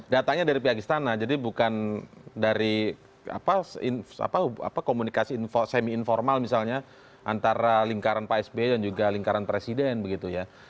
datanya dari pihak istana jadi bukan dari komunikasi semi informal misalnya antara lingkaran pak sby dan juga lingkaran presiden begitu ya